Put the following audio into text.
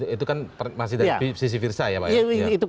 itu kan masih dari sisi firca ya pak ya